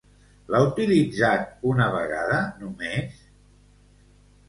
L'ha utilitzat una vegada només?